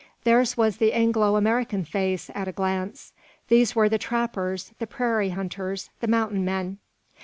Theirs was the Anglo American face, at a glance. These were the trappers, the prairie hunters, the mountain men.